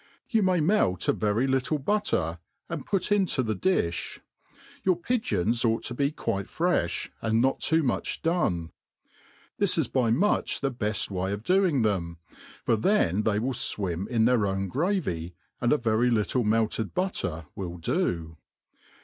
You may melt a very little butter, and put into the dilh. Your pigpons ought to be quite frefh, and npt too much done. This is by much the heft way of doing them, for then they will fwim in th^ir pwti gravy, and a very littlq melted' butter will do.